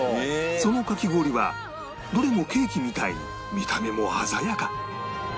そのかき氷はどれもケーキみたいに見た目も鮮やか